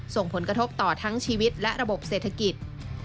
ส่งผลกระทบต่อทั้งชีวิตและระบบเศรษฐกิจ